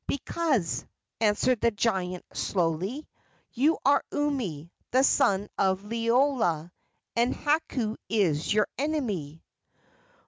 "Because," answered the giant, slowly, "you are Umi, the son of Liloa, and Hakau is your enemy!"